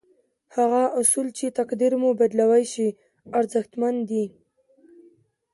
هغه اصول چې تقدير مو بدلولای شي ارزښتمن دي.